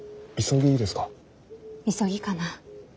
急ぎかな。